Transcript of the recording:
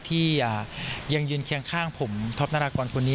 ที่ยังยืนเคียงข้างผมท็อปนารากรคนนี้